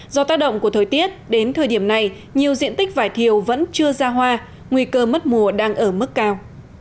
do tác động của thời tiết đến thời điểm này nhiều diện tích vải thiều vẫn chưa ra hoa nguy cơ mất mùa đang ở mức cao